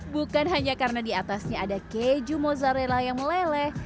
bukan hanya karena diatasnya ada keju mozzarella yang meleleh